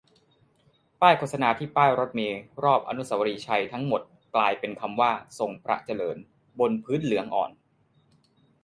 ป้ายโฆษณาที่ป้ายรถเมล์รอบอนุสาวรีย์ชัยทั้ง หมด กลายเป็นคำว่า "ทรงพระเจริญ" บนพื้นเหลืองอ่อน